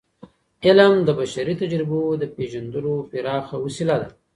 علم د بشري تجربو د پیژندلو پراخه وسیله ده.